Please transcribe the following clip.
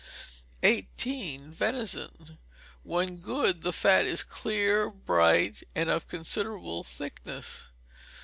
18. Venison. When good, the fat is clear, bright, and of considerable thickness.